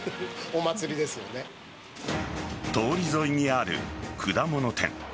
通り沿いにある果物店。